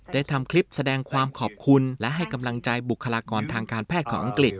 ทำคลิปแสดงความขอบคุณและให้กำลังใจบุคลากรทางการแพทย์ของอังกฤษ